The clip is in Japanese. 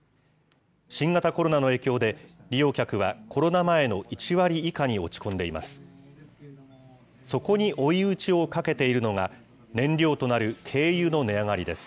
新型コロナの影響で、利用客はコロナ前の１割以下に落ち込んでいます。